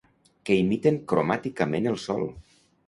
Que imiten cromàticament el sol.